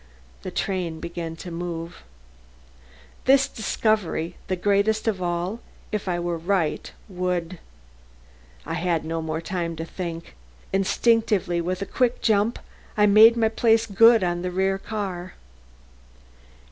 The train began to move This discovery, the greatest of all, if I were right, would I had no more time to think. Instinctively, with a quick jump, I made my place good on the rear car.